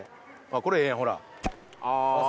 これ、ええやん、これ。